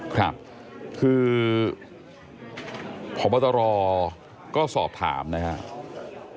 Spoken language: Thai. ครับคือพบตรก็สอบถามนะครับ